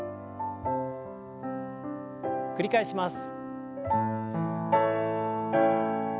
繰り返します。